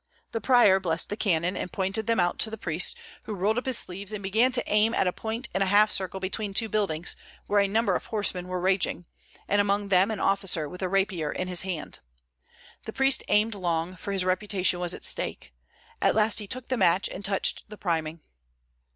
The prior blessed the cannon and pointed them out to the priest, who rolled up his sleeves and began to aim at a point in a half circle between two buildings where a number of horsemen were raging, and among them an officer with a rapier in his hand. The priest aimed long, for his reputation was at stake. At last he took the match and touched the priming.